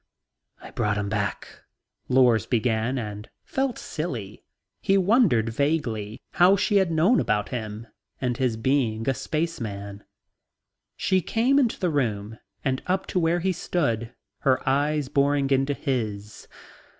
"I brought him back," Lors began and felt silly. He wondered vaguely how she had known about him and his being a spaceman. She came into the room and up to where he stood, her eyes boring into his.